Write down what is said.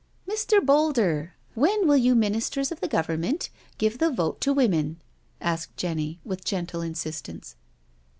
" Mr. Boulder, when will you Ministers of the Government give the Vote to Women?" asked Jenny, with gentle insistence.